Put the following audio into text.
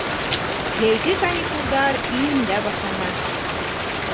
Йәйге каникулдар июндә башлана.